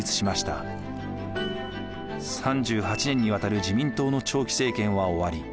３８年にわたる自民党の長期政権は終わり